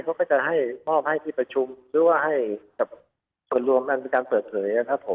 เขาก็จะมอบให้ที่ประชุมหรือว่าให้กับส่วนรวมมันเป็นการเปิดเผย